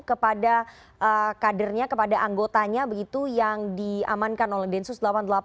kepada kadernya kepada anggotanya begitu yang diamankan oleh densus delapan puluh delapan